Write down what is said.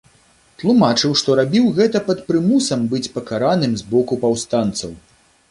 Тлумачыў, што рабіў гэта пад прымусам быць пакараным з боку паўстанцаў.